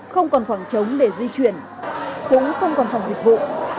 không còn khoảng trống để di chuyển cũng không còn phòng dịch vụ